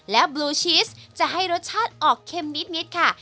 และบลูชีสจะให้รสชาติออกเค็มนิดค่ะ